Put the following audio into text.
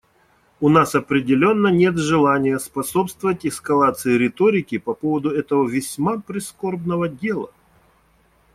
У нас определенно нет желания способствовать эскалации риторики по поводу этого весьма прискорбного дела.